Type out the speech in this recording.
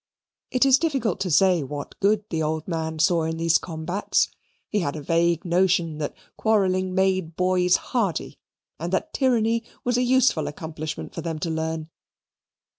It is difficult to say what good the old man saw in these combats; he had a vague notion that quarrelling made boys hardy, and that tyranny was a useful accomplishment for them to learn.